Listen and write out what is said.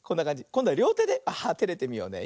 こんどはりょうてでテレてみようね。